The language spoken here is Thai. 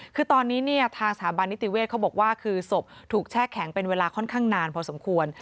คือตอนนี้เนี่ยทางสถาบันนิติเวศเขาบอกว่าคือศพถูกแช่แข็งเป็นเวลาค่อนข้างนานพอสมควร